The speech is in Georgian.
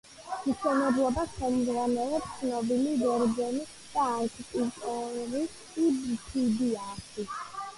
მშენებლობას ხელმძღვანელობს ცნობილი ბერძენი არქიტექტორი ფიდიასი.